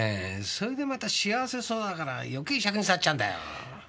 それでまた幸せそうだから余計癪に障っちゃうんだよ。